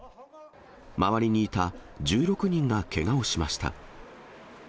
周りにいた１６人がけがをしました。